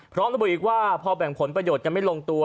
ระบุอีกว่าพอแบ่งผลประโยชน์กันไม่ลงตัว